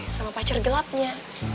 sama pacar gelapnya